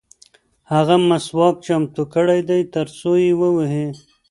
هغه مسواک چمتو کړی دی ترڅو یې ووهي.